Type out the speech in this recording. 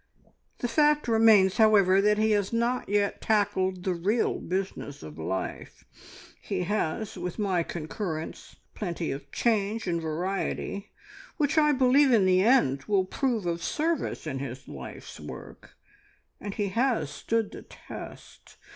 The fact remains, however, that he has not yet tackled the real business of life. He has had, with my concurrence, plenty of change and variety, which I believe in the end will prove of service in his life's work, and he has stood the test.